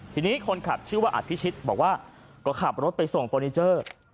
ทีนี้คนขับชื่อว่าอภิชิตบอกว่าก็ขับรถไปส่งเฟอร์นิเจอร์